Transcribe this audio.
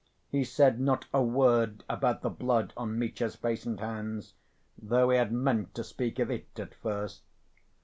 He said not a word about the blood on Mitya's face and hands, though he had meant to speak of it at first.